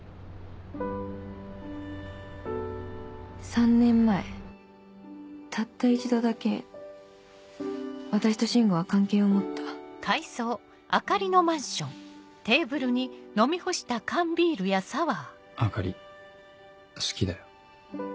３年前たった一度だけ私と進吾は関係を持った朱里好きだよ